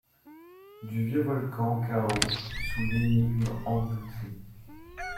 Du vieux volcan chaos ; sous l’énigme englouti